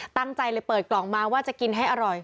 ตั้งใจเลยเปิดกล่องมาว่าจะกินให้อร่อย